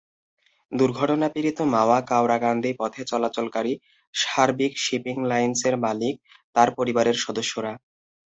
দুর্ঘটনাপীড়িত মাওয়া-কাওড়াকান্দি পথে চলাচল–কারী সার্বিক শিপিং লাইনসের মালিক তাঁর পরিবারের সদস্যরা।